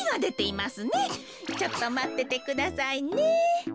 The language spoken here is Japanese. ちょっとまっててくださいね。